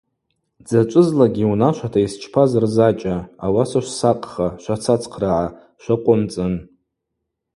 Дзачӏвызлакӏгьи унашвата йсчпаз рзачӏа, ауаса швсакъха, швацацхърыгӏа, швакъвымцӏын.